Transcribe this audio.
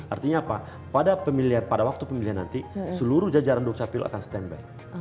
artinya apa pada waktu pemilihan nanti seluruh jajaran dukcapil akan stand by